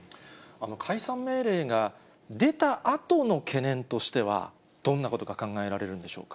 解散命令が出たあとの懸念としては、どんなことが考えられるんでしょうか。